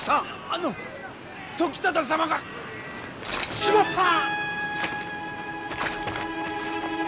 あの時忠様が。しまった！